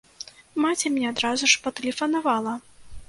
Маці мне адразу ж патэлефанавала!